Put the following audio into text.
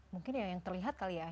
mungkin ya yang terlihat kali ya